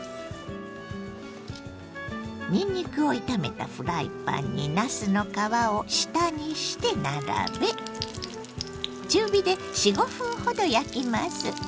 にんにくを炒めたフライパンになすの皮を下にして並べ中火で４５分ほど焼きます。